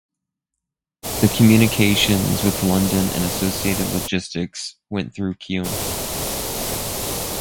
The communications with London and associated logistics went through Keun.